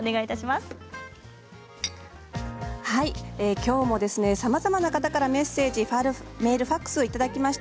きょうもさまざまな方からメッセージメール、ファックスいただきました。